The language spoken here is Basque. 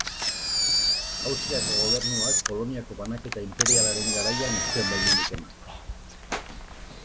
Austriako gobernuak Poloniako banaketa inperialaren garaian ez zuen baimenik eman.